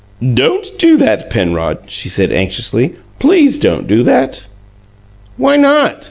"Don't do that, Penrod," she said anxiously. "Please don't do that." "Why not?"